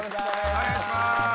お願いします。